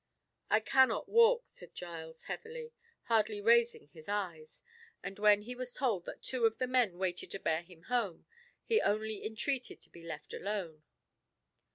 "I cannot walk," said Giles, heavily, hardly raising his eyes, and when he was told that two of the men waited to bear him home, he only entreated to be let alone.